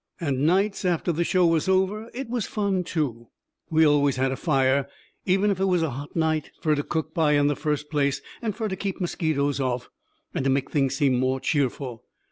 And nights after the show was over it was fun, too. We always had a fire, even if it was a hot night, fur to cook by in the first place, and fur to keep mosquitoes off, and to make things seem more cheerful.